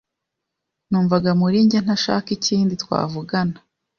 numvaga muri njye ntashaka ikindi twavugana